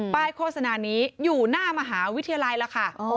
โฆษณานี้อยู่หน้ามหาวิทยาลัยแล้วค่ะ